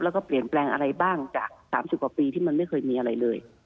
แล้วก็เปลี่ยนแปลงอะไรบ้างจาก๓๐กว่าปีที่มันไม่เคยมีอะไรเลย